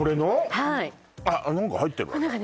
はい何か入ってるわね